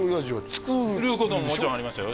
作ることももちろんありましたよ